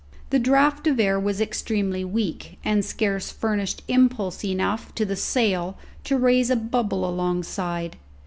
The draught of air was extremely weak, and scarce furnished impulse enough to the sail to raise a bubble alongside.